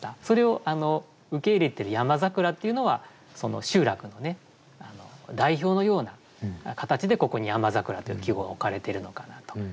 それを受け入れている「山桜」っていうのはその集落の代表のような形でここに「山桜」という季語が置かれているのかなと。